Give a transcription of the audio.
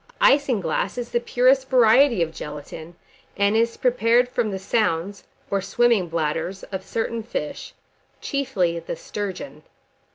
Isinglass is the purest variety of gelatine, and is prepared from the sounds or swimming bladders of certain fish, chiefly the sturgeon.